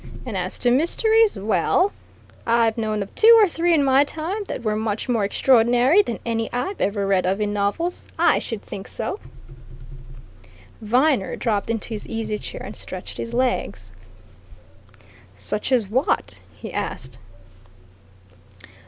And as to mysteries well, I've known of two or three in my time that were much more extraordinary than any I've ever read of in novels. I should think so!" Viner dropped into his easy chair and stretched his legs. "Such as what?" he asked.